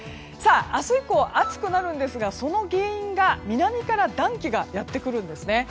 明日以降、暑くなるんですがその原因が南から暖気がやってくるんですね。